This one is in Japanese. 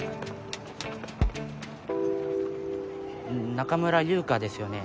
・中村優香ですよね？